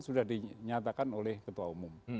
sudah dinyatakan oleh ketua umum